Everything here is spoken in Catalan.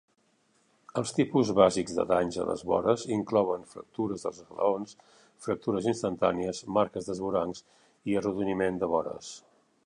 Els tipus bàsics de danys a les vores inclouen fractures dels esglaons, fractures instantànies, marques d'esvorancs i arrodoniment de vores.